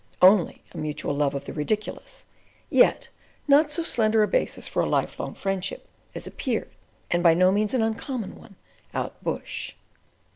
Only a mutual love of the ridiculous, yet not so slender a basis for a lifelong friendship as appears, and by no means an uncommon one "out bush."